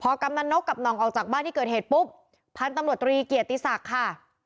กำนันนกกับหน่องออกจากบ้านที่เกิดเหตุปุ๊บพันธุ์ตำรวจตรีเกียรติศักดิ์ค่ะ